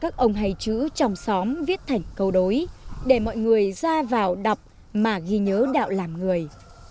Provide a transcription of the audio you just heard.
các ông hay chữ trong xóm viết thành câu đối để mọi người ra vào đọc mà ghi nhớ đạo làm người